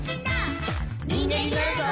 「にんげんになるぞ！」